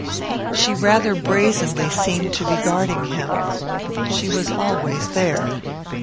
She rather brazenly seemed to be guarding him. She was always there.